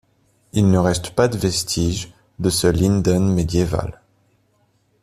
Il ne reste pas de vestiges de ce Linden médiéval.